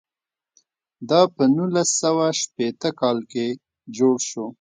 دا په نولس سوه شپېته کال کې جوړ شو.